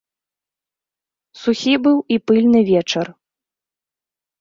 Сухі быў і пыльны вечар.